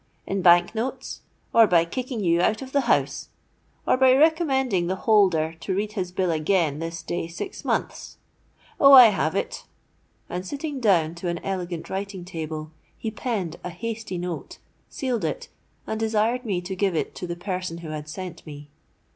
In Bank notes, or by kicking you out of the house, or by recommending the holder to read his bill again this day six months? Oh, I have it;'—and, sitting down to an elegant writing table, he penned a hasty note, sealed it, and desired me to give it to the person who had sent me.